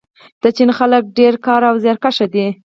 د چین خلک ډیر کاري او زیارکښ دي.